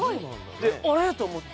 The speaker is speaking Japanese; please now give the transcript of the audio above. あれと思って、